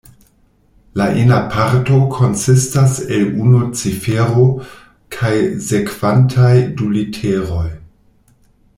La ena parto konsistas el unu cifero kaj sekvantaj du literoj.